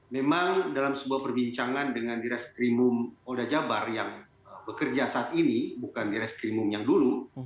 memang dalam sebuah perbincangan dengan diras krimum oda jabar yang bekerja saat ini bukan diras krimum yang dulu